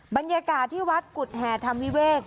บรรยากาศที่วัดกุฎแห่ธรรมวิเวก